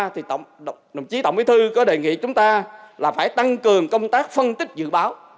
thì đồng chí tổng bí thư có đề nghị chúng ta là phải tăng cường công tác phân tích dự báo